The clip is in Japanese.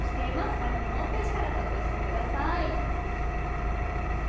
番組ホームページから投稿してください。